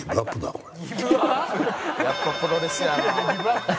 やっぱプロレスやな。